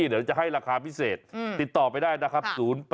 เดี๋ยวจะให้ราคาพิเศษติดต่อไปได้นะครับ